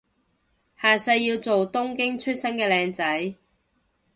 下世要做東京出身嘅靚仔